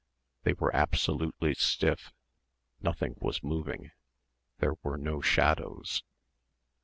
They were absolutely stiff, nothing was moving, there were no shadows.